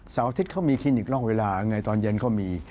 เสาร์อาทิตย์เขามีคลินิกนอกเวลาตอนเย็นเขามี